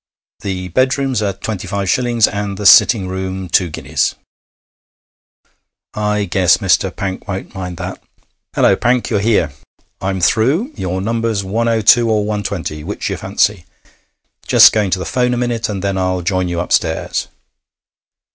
'The bedrooms are twenty five shillings, and the sitting room two guineas.' 'I guess Mr. Pank won't mind that. Hullo, Pank, you're here! I'm through. Your number's 102 or 120, which you fancy. Just going to the 'phone a minute, and then I'll join you upstairs.'